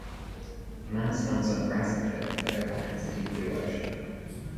a man stands on a grassy cliff that overhangs a deep blue ocean.